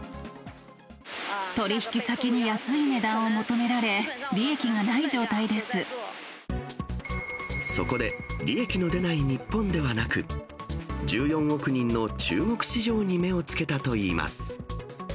取り引き先に安い値段を求めそこで、利益の出ない日本ではなく、１４億人の中国市場に目をつけたといいます。